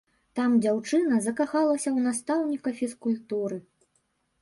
Там дзяўчына закахалася ў настаўніка фізкультуры.